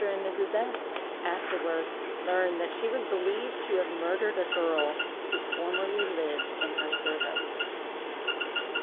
and Mrs. S—— afterward learned that she was believed to have murdered a girl who formerly lived in her service.